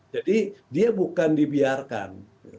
jadi dia bukan dibiarkan